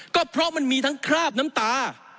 ก็เพราะมันมีทั้งคราบน้ำตา